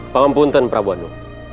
pemampunan prabu anu